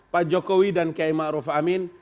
pak jokowi dan kiai ma'ruf amin